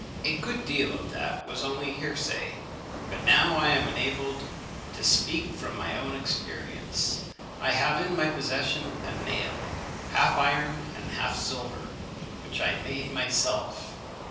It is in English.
A good deal of that was only hearsay, but now I am enabled to speak from my own experience. I have in my possession a nail, half iron and half silver, which I made myself.